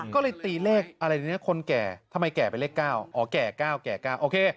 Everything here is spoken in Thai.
ก็เลยตีเลขอะไรนะคนแก่ทำไมแก่ไปเลข๙อ๋อแก่๙แก่๙โอเค